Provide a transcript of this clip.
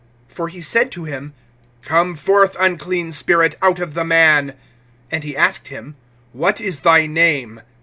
(8)For he said to him: Come forth, unclean spirit, out of the man. (9)And he asked him: What is thy name?